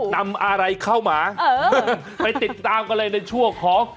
นำอะไรเข้ามาไปติดตามกันเลยในช่วงของ